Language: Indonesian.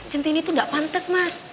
centini itu enggak pantes mas